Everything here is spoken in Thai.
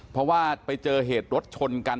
เพราะว่าไปเจอเหตุรถชนกัน